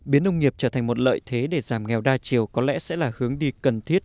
biến nông nghiệp trở thành một lợi thế để giảm nghèo đa chiều có lẽ sẽ là hướng đi cần thiết